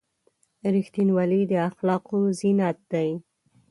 • رښتینولي د اخلاقو زینت دی.